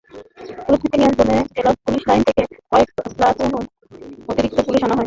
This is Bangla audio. পরিস্থিতি নিয়ন্ত্রণে জেলা পুলিশ লাইন থেকে কয়েক প্লাটুন অতিরিক্ত পুলিশ আনা হয়।